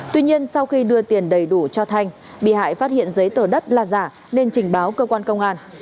tuy nhiên sau khi đưa tiền đầy đủ cho thanh bị hại phát hiện giấy tờ đất là giả nên trình báo cơ quan công an